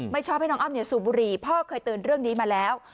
ชอบให้น้องอ้ำสูบบุหรี่พ่อเคยเตือนเรื่องนี้มาแล้ว